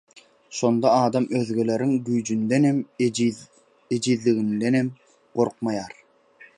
şonda adam özgeleriň güýjündenem, ejizligindenem gorkmaýar.